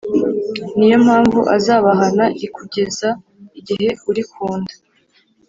Ni yo mpamvu azabahana i kugeza igihe uri ku nda